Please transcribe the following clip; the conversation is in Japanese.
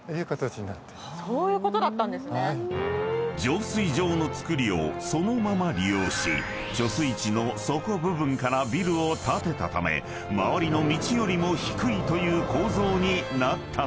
［浄水場の造りをそのまま利用し貯水池の底部分からビルを建てたため周りの道よりも低いという構造になったのだ］